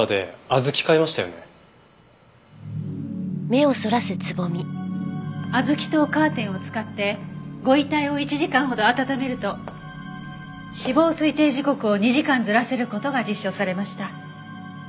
小豆とカーテンを使ってご遺体を１時間ほど温めると死亡推定時刻を２時間ずらせる事が実証されました。